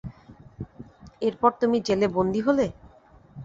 এরপর তুমি জেলে বন্দী হলে?